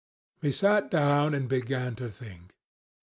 He sat down and began to think.